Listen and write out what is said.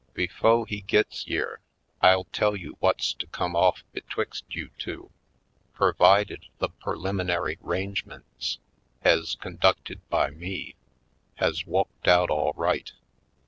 Be fo' he gits yere I'll tell you whut's to come off betwixt you two, purvided the perlimi nary 'rangemints, ez conducted by me, has wukked out all right.